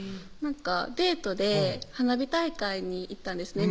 デートで花火大会に行ったんですね